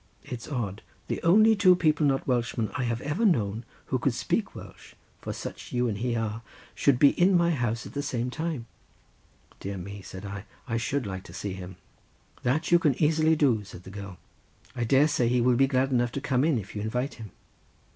It's odd the only two people not Welshmen I have ever known who could speak Welsh, for such you and he are, should be in my house at the same time." "Dear me," said I, "I should like to see him." "That you can easily do," said the girl; "I dare say he will be glad enough to come in if you invite him."